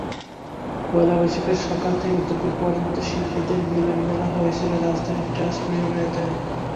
পয়লা বৈশাখের সকাল থেকে দুপুর পর্যন্ত শিল্পীদের মিলনমেলা হয়েছিল রাজধানীর ট্রাস্ট মিলনায়তনে।